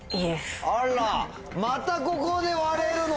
あらまたここで割れるの！